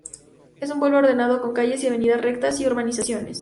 Es un pueblo ordenado con calles y avenidas rectas, y urbanizaciones.